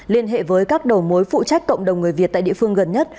liên hệ với các đầu mối phụ trách cộng đồng người việt tại địa phương gần nhất